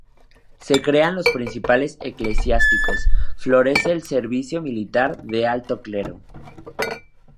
Se crean los principados eclesiásticos, florece el servicio militar del alto clero.